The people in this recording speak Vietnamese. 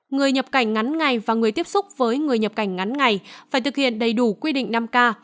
người nhập cảnh ngắn ngày và người tiếp xúc với người nhập cảnh ngắn ngày phải thực hiện đầy đủ quy định năm k